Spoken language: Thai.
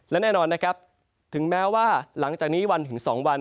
และแน่นอนนะครับถึงแม้ว่าหลังจากนี้วันถึง๒วัน